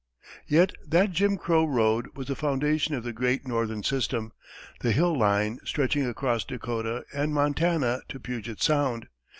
Yet that Jim Crow road was the foundation of the Great Northern system, the Hill line, stretching across Dakota and Montana to Puget Sound.